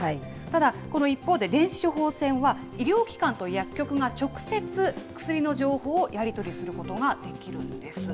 ただ、この一方で、この電子処方箋は医療機関と薬局が直接薬の情報をやり取りすることができるんです。